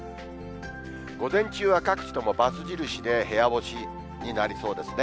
午前中は各地ともばつ印で部屋干しになりそうですね。